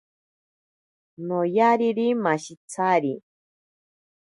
Noyariri mashitsari.